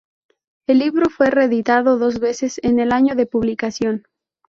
El libro fue reeditado dos veces en el año de publicación.